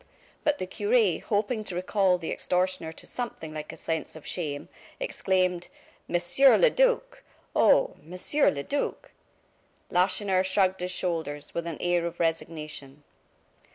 But the cure hoping to recall the extortioner to something like a sense of shame, exclaimed: "Monsieur le Duc! Oh, Monsieur le Duc!" Lacheneur shrugged his shoulders with an air of resignation.